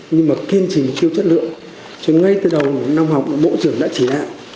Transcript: nhưng mà kiên trình chiêu chất lượng cho nên ngay từ đầu năm học bộ trưởng đã chỉ đạt